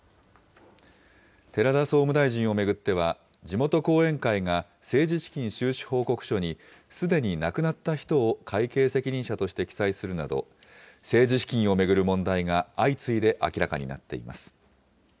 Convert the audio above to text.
寺田総務大臣を巡っては、地元後援会が政治資金収支報告書にすでに亡くなった人を会計責任者として記載するなど、政治資金を巡る問題が相次いで明らかになっています。